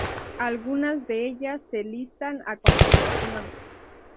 Algunas de ellas se listan a continuación.